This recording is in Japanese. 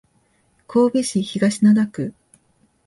神戸市東灘区